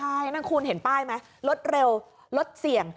ใช่นั่นคุณเห็นป้ายไหมรถเร็วรถเสี่ยง